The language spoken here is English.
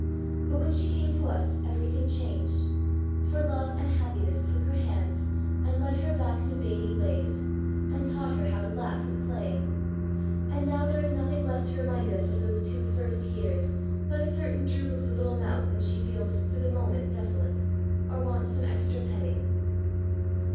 But when she came to us everything changed; for love and happiness took her hands and led her back to baby ways, and taught her how to laugh and play: and now there is nothing left to remind us of those two first years but a certain droop of the little mouth when she feels for the moment desolate, or wants some extra petting.